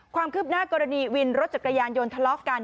ความคืบหน้ากรณีวินรถจักรยานยนต์ทะเลาะกัน